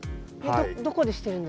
どこでしてるんですか？